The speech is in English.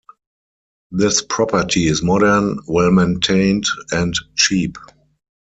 This property is modern, well maintained and cheap.